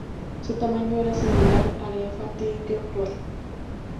Su tamaño era similar al elefante indio actual.